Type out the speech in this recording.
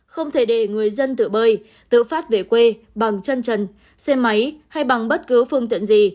không thể để người dân tự bơi tự phát về quê bằng chân trần xe máy hay bằng bất cứ phương tiện gì